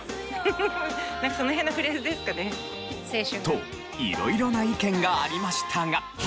と色々な意見がありましたが。